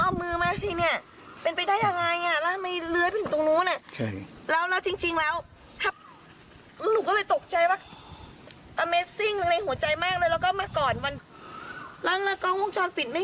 อ๋อบุ๋มลุกไปแล้วสิ